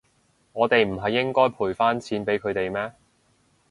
我哋唔係應該賠返錢畀佢哋咩？